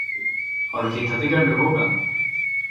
Har du tittat i garderoben?